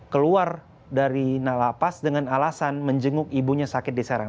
keluar dari nalapas dengan alasan menjenguk ibunya sakit diserang